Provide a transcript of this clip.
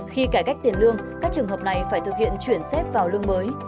khi cải cách tiền lương các trường hợp này phải thực hiện chuyển xếp vào lương mới